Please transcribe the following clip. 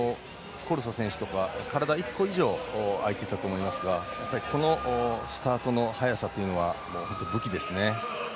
コルソ選手とか体１個以上あいていたと思いますがこのスタートの早さっていうのは本当に武器ですね。